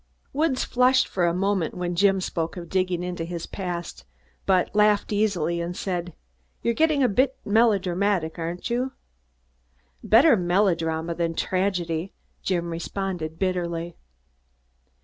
Woods flushed for a moment when Jim spoke of digging into his past, but he laughed easily and said: "You're getting a bit melodramatic, aren't you?" "Better melodrama than tragedy," Jim responded bitterly.